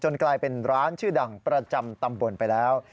กลายเป็นร้านชื่อดังประจำตำบลไปแล้ว